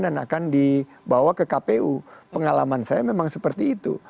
dan akan dibawa ke kpu pengalaman saya memang seperti itu